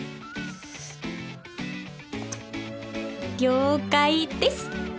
「了解です」